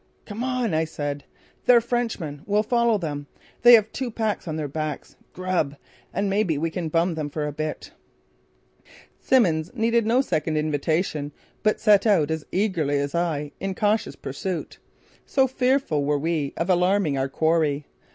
"Come on," I said. "They're Frenchmen. We'll follow them. They have two packs on their backs! Grub! And maybe we can bum them for a bit." Simmons needed no second invitation but set out as eagerly as I in cautious pursuit; so fearful were we of alarming our quarry.